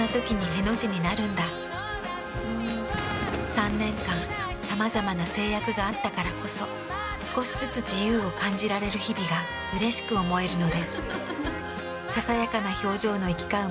３年間さまざまな制約があったからこそ少しずつ自由を感じられる日々がうれしく思えるのです。